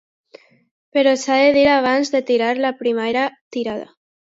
Però s'ha de dir abans de tirar la primera tirada.